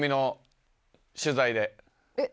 「えっ？